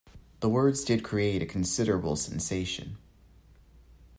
The words did create a considerable sensation.